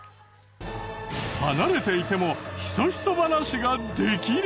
離れていてもヒソヒソ話ができる！？